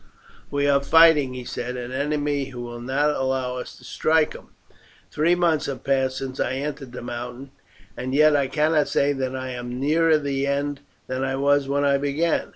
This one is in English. "We are fighting," he said, "an enemy who will not allow us to strike him. Three months have passed since I entered the mountains, and yet I cannot say that I am nearer the end than I was when I began.